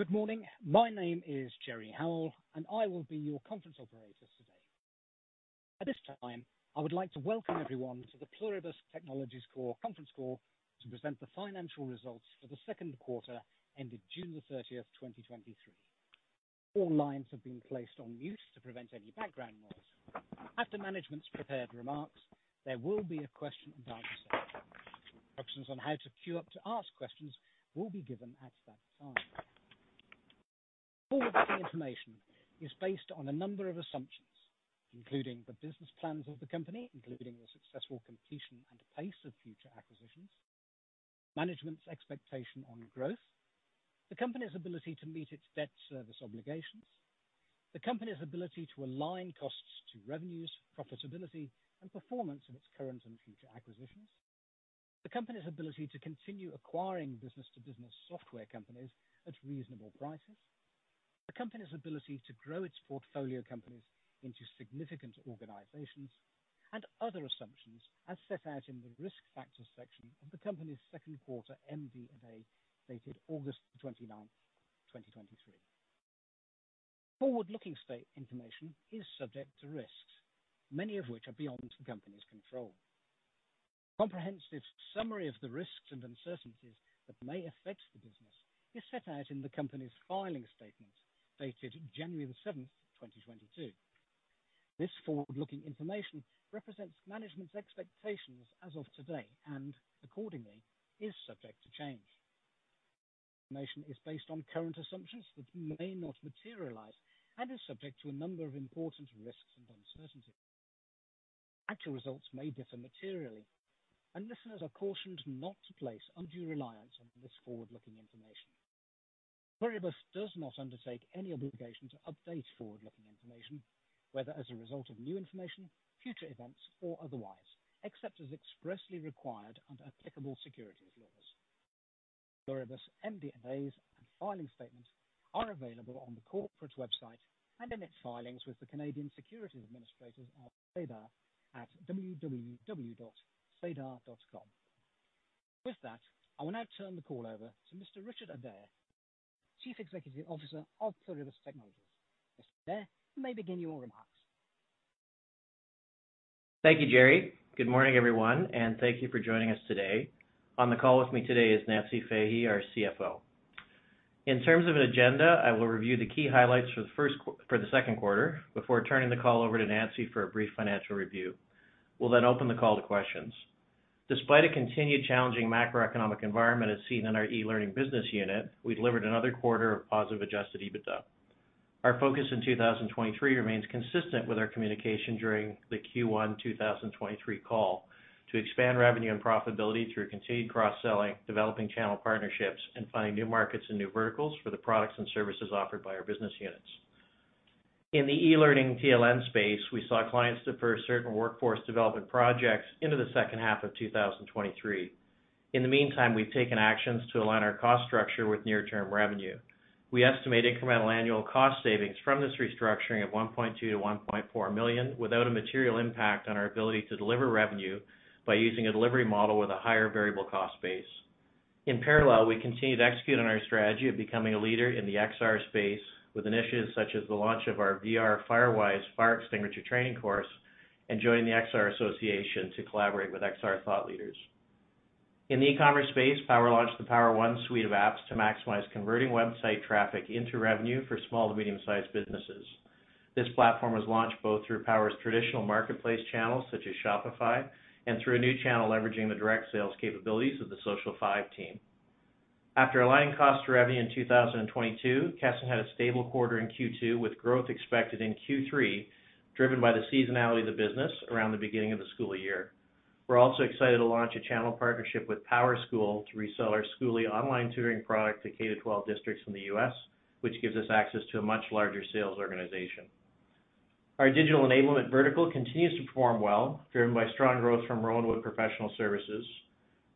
Good morning. My name is Jerry Howell, and I will be your conference operator today. At this time, I would like to welcome everyone to the Pluribus Technologies Corp. Conference Call to present the financial results for the second quarter ended June 30, 2023. All lines have been placed on mute to prevent any background noise. After management's prepared remarks, there will be a question and answer session. Instructions on how to queue up to ask questions will be given at that time. Forward-looking information is based on a number of assumptions, including the business plans of the company, including the successful completion and pace of future acquisitions, management's expectation on growth, the company's ability to meet its debt service obligations, the company's ability to align costs to revenues, profitability, and performance of its current and future acquisitions, the company's ability to continue acquiring business-to-business software companies at reasonable prices, the company's ability to grow its portfolio companies into significant organizations, and other assumptions as set out in the Risk Factors section of the company's second quarter MD&A, dated August 29th, 2023. Forward-looking statements are subject to risks, many of which are beyond the company's control. Comprehensive summary of the risks and uncertainties that may affect the business is set out in the company's filing statement, dated January 7th, 2022. This forward-looking information represents management's expectations as of today and accordingly, is subject to change. Information is based on current assumptions that may not materialize and is subject to a number of important risks and uncertainties. Actual results may differ materially, and listeners are cautioned not to place undue reliance on this forward-looking information. Pluribus does not undertake any obligation to update forward-looking information, whether as a result of new information, future events, or otherwise, except as expressly required under applicable securities laws. Pluribus MD&A's and filing statements are available on the corporate website and in its filings with the Canadian Securities Administrators on SEDAR at www.sedar.com. With that, I will now turn the call over to Mr. Richard Adair, Chief Executive Officer of Pluribus Technologies. Mr. Adair, you may begin your remarks. Thank you, Jerry. Good morning, everyone, and thank you for joining us today. On the call with me today is Nancy Fahy, our CFO. In terms of an agenda, I will review the key highlights for the second quarter before turning the call over to Nancy for a brief financial review. We'll then open the call to questions. Despite a continued challenging macroeconomic environment as seen in our e-learning business unit, we delivered another quarter of positive Adjusted EBITDA. Our focus in 2023 remains consistent with our communication during the Q1 2023 call to expand revenue and profitability through continued cross-selling, developing channel partnerships, and finding new markets and new verticals for the products and services offered by our business units. In the e-learning TLN space, we saw clients defer certain workforce development projects into the second half of 2023. In the meantime, we've taken actions to align our cost structure with near-term revenue. We estimate incremental annual cost savings from this restructuring of 1.2 million-1.4 million, without a material impact on our ability to deliver revenue by using a delivery model with a higher variable cost base. In parallel, we continue to execute on our strategy of becoming a leader in the XR space, with initiatives such as the launch of our VR Firewise fire extinguisher training course and joining the XR Association to collaborate with XR thought leaders. In the e-commerce space, POWR launched the POWR One suite of apps to maximize converting website traffic into revenue for small to medium-sized businesses. This platform was launched both through POWRSchool's traditional marketplace channels, such as Shopify, and through a new channel leveraging the direct sales capabilities of the Social5 team. After aligning cost to revenue in 2022, Kesson had a stable quarter in Q2, with growth expected in Q3, driven by the seasonality of the business around the beginning of the school year. We're also excited to launch a channel partnership with POWRSchool to resell our Skooli online tutoring product to K-12 districts in the U.S., which gives us access to a much larger sales organization. Our digital enablement vertical continues to perform well, driven by strong growth from Rowanwood Professional Services.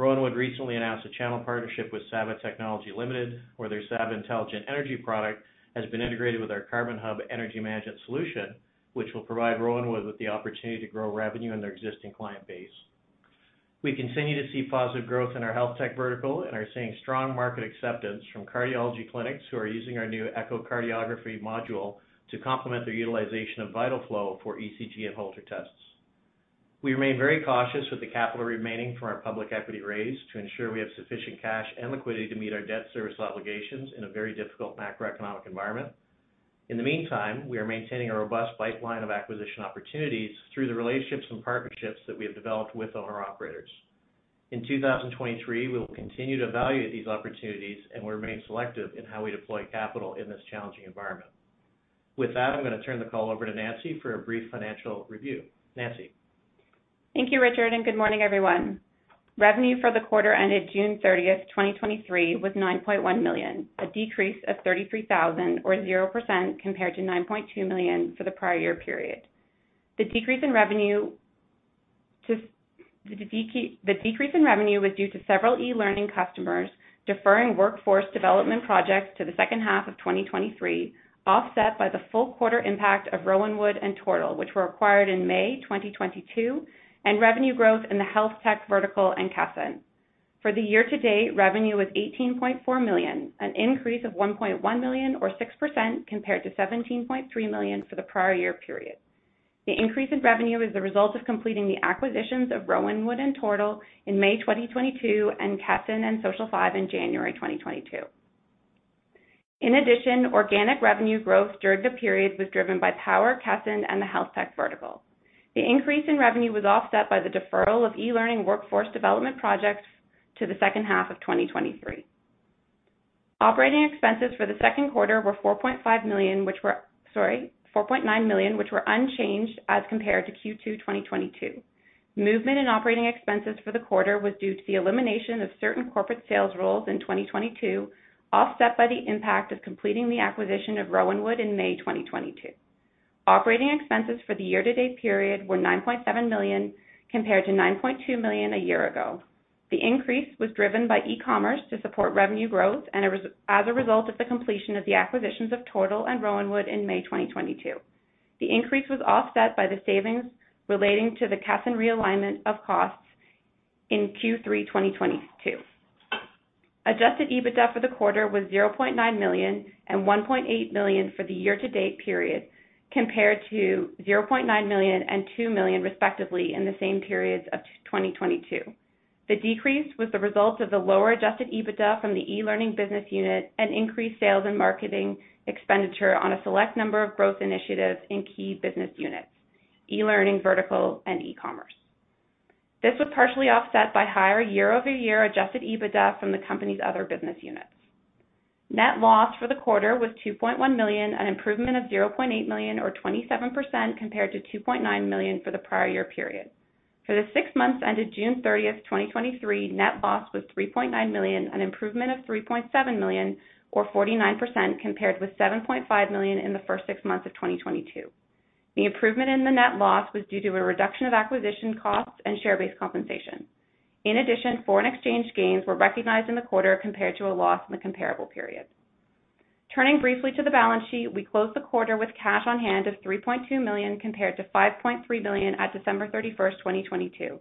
Rowanwood recently announced a channel partnership with Sava Technology Ltd., where their Sava Intelligent Energy product has been integrated with our Carbon Hub energy management solution, which will provide Rowanwood with the opportunity to grow revenue in their existing client base. We continue to see positive growth in our health tech vertical and are seeing strong market acceptance from cardiology clinics, who are using our new echocardiography module to complement their utilization of ViTELflo for ECG and Holter tests. We remain very cautious with the capital remaining from our public equity raise to ensure we have sufficient cash and liquidity to meet our debt service obligations in a very difficult macroeconomic environment. In the meantime, we are maintaining a robust pipeline of acquisition opportunities through the relationships and partnerships that we have developed with owner-operators. In 2023, we will continue to evaluate these opportunities, and we remain selective in how we deploy capital in this challenging environment. With that, I'm going to turn the call over to Nancy for a brief financial review. Nancy? Thank you, Richard, and good morning, everyone. Revenue for the quarter ended June thirtieth, 2023, was 9.1 million, a decrease of 33,000 or 0% compared to 9.2 million for the prior year period. The decrease in revenue was due to several e-learning customers deferring workforce development projects to the second half of 2023, offset by the full quarter impact of Rowanwood and Tortal, which were acquired in May 2022, and revenue growth in the health tech vertical and Kesson. For the year-to-date, revenue was 18.4 million, an increase of 1.1 million or 6% compared to 17.3 million for the prior year period. The increase in revenue is the result of completing the acquisitions of Rowanwood and Tortal in May 2022, and Kesson and Social5 in January 2022. In addition, organic revenue growth during the period was driven by Power, Kesson, and the Health Tech vertical. The increase in revenue was offset by the deferral of e-learning workforce development projects to the second half of 2023. Operating expenses for the second quarter were 4.5 million, which were—sorry, 4.9 million, which were unchanged as compared to Q2, 2022. Movement in operating expenses for the quarter was due to the elimination of certain corporate sales roles in 2022, offset by the impact of completing the acquisition of Rowanwood in May 2022. Operating expenses for the year-to-date period were 9.7 million, compared to 9.2 million a year ago. The increase was driven by e-commerce to support revenue growth, and as a result of the completion of the acquisitions of Tortle and Rowanwood in May 2022. The increase was offset by the savings relating to the Kesson realignment of costs in Q3 2022. Adjusted EBITDA for the quarter was 0.9 million and 1.8 million for the year-to-date period, compared to 0.9 million and 2 million, respectively, in the same periods of 2022. The decrease was the result of the lower adjusted EBITDA from the e-learning business unit and increased sales and marketing expenditure on a select number of growth initiatives in key business units, e-learning, vertical, and e-commerce. This was partially offset by higher year-over-year adjusted EBITDA from the company's other business units. Net loss for the quarter was 2.1 million, an improvement of 0.8 million, or 27%, compared to 2.9 million for the prior year period. For the six months ended June 30th, 2023, net loss was CAD 3.9 million, an improvement of CAD 3.7 million, or 49%, compared with CAD 7.5 million in the first six months of 2022. The improvement in the net loss was due to a reduction of acquisition costs and share-based compensation. In addition, foreign exchange gains were recognized in the quarter compared to a loss in the comparable period. Turning briefly to the balance sheet, we closed the quarter with cash on hand of 3.2 million, compared to 5.3 million at December 31st, 2022.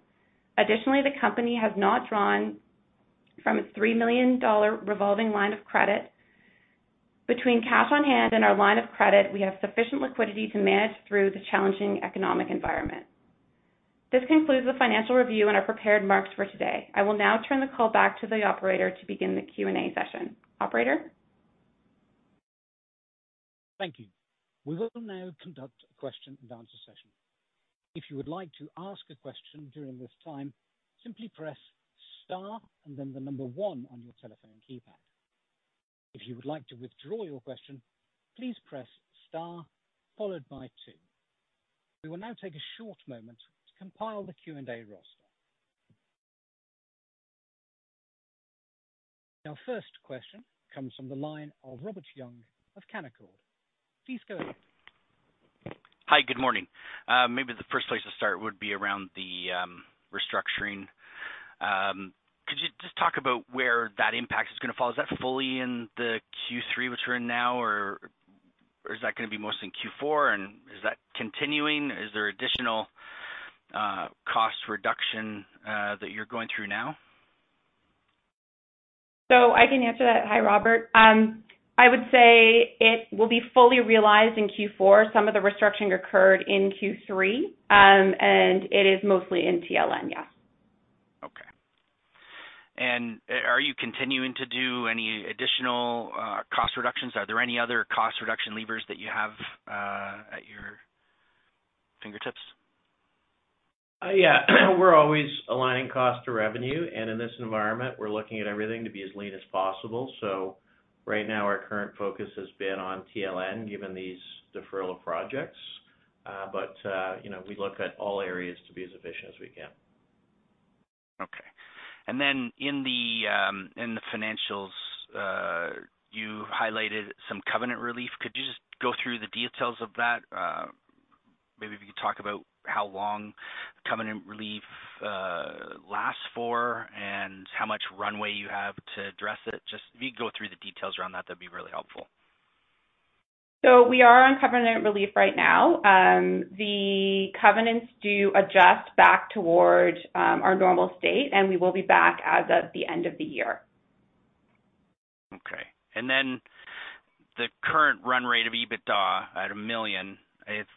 Additionally, the company has not drawn from its 3 million-dollar revolving line of credit. Between cash on hand and our line of credit, we have sufficient liquidity to manage through the challenging economic environment. This concludes the financial review and our prepared remarks for today. I will now turn the call back to the operator to begin the Q&A session. Operator? Thank you. We will now conduct a question and answer session. If you would like to ask a question during this time, simply press star and then the number one on your telephone keypad. If you would like to withdraw your question, please press star followed by two. We will now take a short moment to compile the Q&A roster. Our first question comes from the line of Robert Young of Canaccord. Please go ahead. Hi, good morning. Maybe the first place to start would be around the restructuring. Could you just talk about where that impact is gonna fall? Is that fully in the Q3, which we're in now, or is that gonna be mostly in Q4? Is that continuing? Is there additional cost reduction that you're going through now? So I can answer that. Hi, Robert. I would say it will be fully realized in Q4. Some of the restructuring occurred in Q3, and it is mostly in TLN. Yes. Okay. And are you continuing to do any additional, cost reductions? Are there any other cost reduction levers that you have, at your fingertips? Yeah, we're always aligning cost to revenue, and in this environment, we're looking at everything to be as lean as possible. So right now, our current focus has been on TLN, given these deferral of projects. But, you know, we look at all areas to be as efficient as we can. Okay. And then in the financials, you highlighted some covenant relief. Could you just go through the details of that? Maybe if you could talk about how long the covenant relief lasts for and how much runway you have to address it. Just if you could go through the details around that, that'd be really helpful. So we are on covenant relief right now. The covenants do adjust back towards our normal state, and we will be back as of the end of the year. Okay. And then the current run rate of EBITDA at 1 million, it's...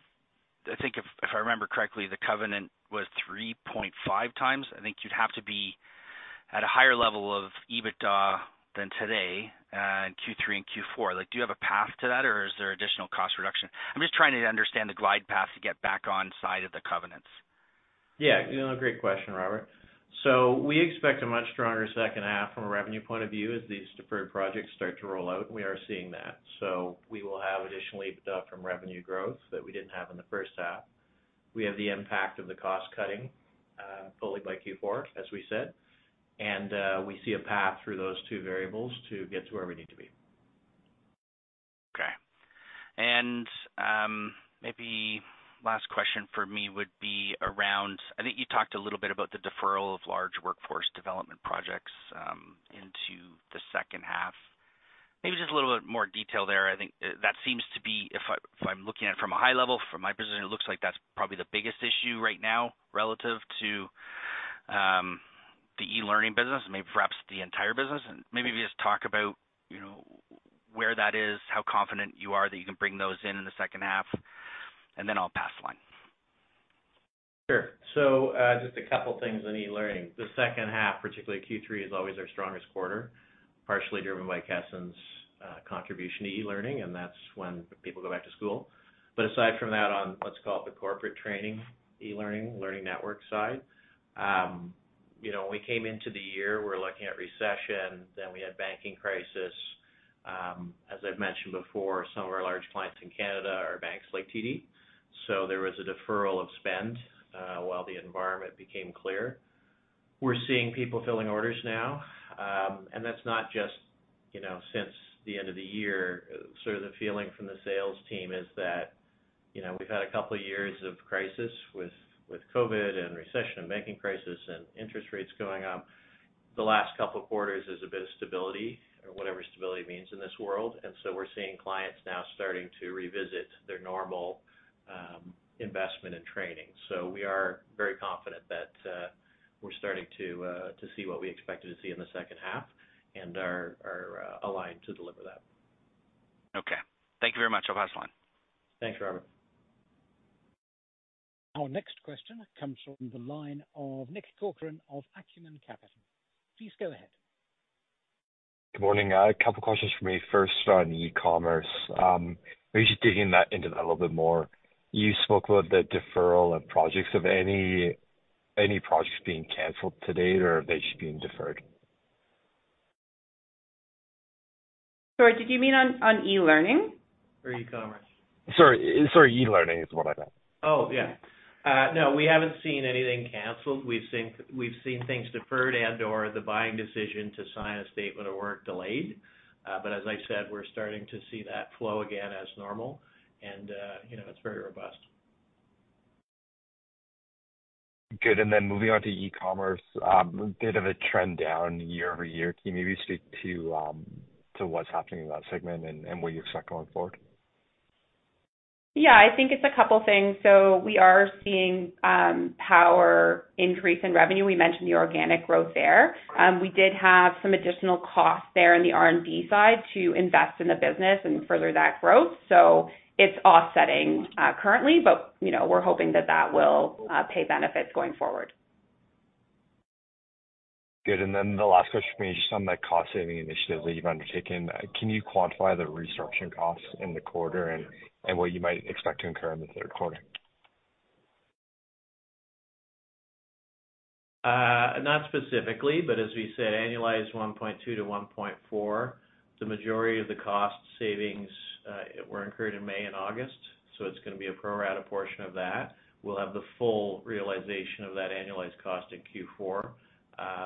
I think if, if I remember correctly, the covenant was 3.5x. I think you'd have to be at a higher level of EBITDA than today in Q3 and Q4. Like, do you have a path to that, or is there additional cost reduction? I'm just trying to understand the glide path to get back on side of the covenants. Yeah, you know, great question, Robert. So we expect a much stronger second half from a revenue point of view as these deferred projects start to roll out, and we are seeing that. So we will have additional EBITDA from revenue growth that we didn't have in the first half. We have the impact of the cost cutting fully by Q4, as we said, and we see a path through those two variables to get to where we need to be. Okay. And, maybe last question for me would be around... I think you talked a little bit about the deferral of large workforce development projects into the second half. Maybe just a little bit more detail there. I think that seems to be, if I, if I'm looking at it from a high level, from my position, it looks like that's probably the biggest issue right now relative to the e-learning business, maybe perhaps the entire business. And maybe just talk about, you know—where that is, how confident you are that you can bring those in, in the second half, and then I'll pass the line. Sure. So, just a couple things on e-learning. The second half, particularly Q3, is always our strongest quarter, partially driven by Keeson's contribution to e-learning, and that's when people go back to school. But aside from that, on what's called the corporate training, e-learning, learning network side, you know, when we came into the year, we're looking at recession, then we had banking crisis. As I've mentioned before, some of our large clients in Canada are banks like TD, so there was a deferral of spend while the environment became clear. We're seeing people filling orders now, and that's not just, you know, since the end of the year. Sort of the feeling from the sales team is that, you know, we've had a couple of years of crisis with COVID and recession and banking crisis and interest rates going up. The last couple of quarters is a bit of stability or whatever stability means in this world, and so we're seeing clients now starting to revisit their normal investment in training. So we are very confident that we're starting to see what we expected to see in the second half and are aligned to deliver that. Okay. Thank you very much. I'll pass the line. Thanks, Robert. Our next question comes from the line of Nick Corcoran of Acumen Capital. Please go ahead. Good morning. A couple questions for me. First, on e-commerce, maybe just digging that into that a little bit more. You spoke about the deferral of projects. Have any, any projects been canceled to date, or are they just being deferred? Sorry, did you mean on e-learning? Or e-commerce? Sorry, sorry, e-learning is what I meant. Oh, yeah. No, we haven't seen anything canceled. We've seen, we've seen things deferred and/or the buying decision to sign a statement of work delayed. But as I said, we're starting to see that flow again as normal, and, you know, it's very robust. Good. And then moving on to e-commerce, a bit of a trend down year-over-year. Can you maybe speak to what's happening in that segment and what you expect going forward? Yeah, I think it's a couple things. So we are seeing POWR increase in revenue. We mentioned the organic growth there. We did have some additional costs there in the R&D side to invest in the business and further that growth. So it's offsetting currently, but, you know, we're hoping that that will pay benefits going forward. Good. And then the last question for me, just on that cost-saving initiative that you've undertaken, can you quantify the restructuring costs in the quarter and what you might expect to incur in the third quarter? Not specifically, but as we said, annualized 1.2-1.4, the majority of the cost savings were incurred in May and August, so it's gonna be a pro rata portion of that. We'll have the full realization of that annualized cost in Q4,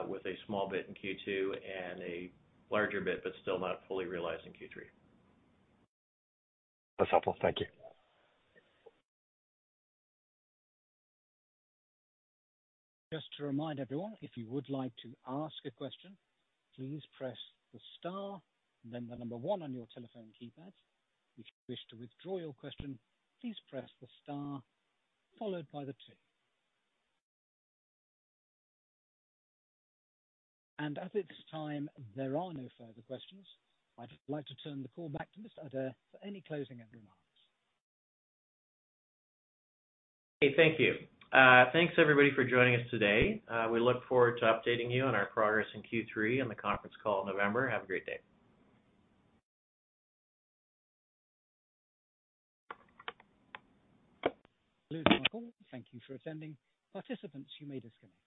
with a small bit in Q2 and a larger bit, but still not fully realized in Q3. That's helpful. Thank you. Just to remind everyone, if you would like to ask a question, please press the star and then the number 1 on your telephone keypad. If you wish to withdraw your question, please press the star followed by the 2. At this time, there are no further questions. I'd like to turn the call back to Mr. Adair for any closing remarks. Okay, thank you. Thanks, everybody, for joining us today. We look forward to updating you on our progress in Q3 on the conference call in November. Have a great day. Thank you for attending. Participants, you may disconnect.